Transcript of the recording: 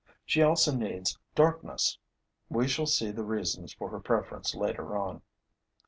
She also needs darkness. We shall see the reasons for her preference later on.